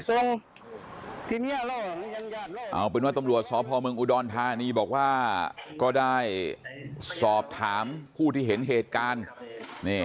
เอาเป็นว่าตำรวจสพเมืองอุดรธานีบอกว่าก็ได้สอบถามผู้ที่เห็นเหตุการณ์นี่